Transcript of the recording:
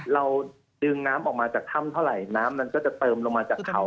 เราดึงน้ำออกมาจากถ้ำเท่าไหร่น้ำมันก็จะเติมลงมาจากเขา